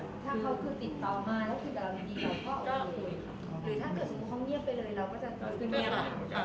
ถ้าเขาคือติดต่อมาถ้าเขาคือดับดีแล้ว